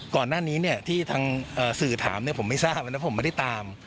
ก่อนหน้านี้ที่ทางสื่อถามผมไม่ทราบนะผมไม่ได้ตาม